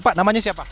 pak namanya siapa